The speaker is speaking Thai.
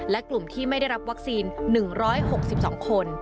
และกลุ่มที่ไม่ได้รับวัคซีน๑๖๒คน